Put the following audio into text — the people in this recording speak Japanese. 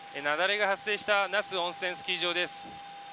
雪崩が発生した那須温泉スキー場です。